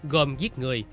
gồm giết người